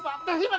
terima kasih pak